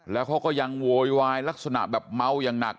แล้วเขาก็ยังโวยวายลักษณะแบบเมาอย่างหนัก